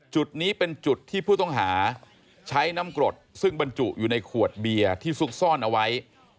จุดนี้เป็นจุดที่ผู้ต้องหาใช้น้ำกรดซึ่งบรรจุอยู่ในขวดเบียร์ที่ซุกซ่อนเอาไว้